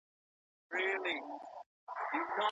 ولي زیارکښ کس د لوستي کس په پرتله لوړ مقام نیسي؟